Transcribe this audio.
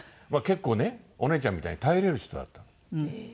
結構ねお姉ちゃんみたいに頼れる人だったの。